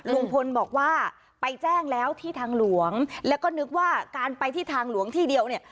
ลุงพลบอกว่าไปแจ้งแล้วที่ทางหลวงแล้วก็นึกว่าการไปที่ทางหลวงที่เดียวเนี่ย